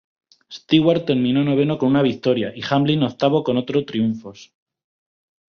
Stewart terminó noveno con una victoria, y Hamlin octavo con otro triunfos.